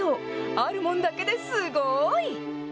あるもんだけですごい。